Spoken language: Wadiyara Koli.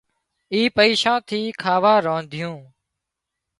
اِي پئيشا ٿي کاوا رنڌيون